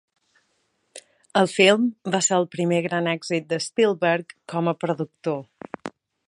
El film va ser el primer gran èxit de Spielberg com a productor.